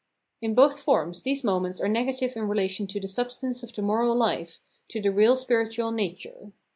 In both forms these moments are negative in rela tion to the substance of the moral hfe, to the real spiritual nature.